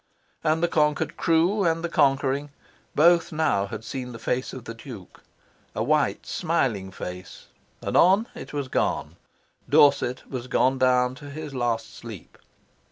And the conquered crew, and the conquering, both now had seen the face of the Duke. A white smiling face, anon it was gone. Dorset was gone down to his last sleep.